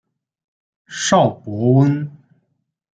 邵伯温。